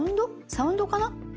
サウンドかな。